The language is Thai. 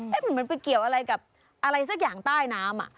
เหมือนไปเกี่ยวอะไรกับอะไรสักอย่างใต้น้ำ